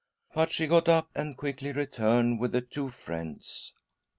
" But she got up and : quickly returned with, the two friends.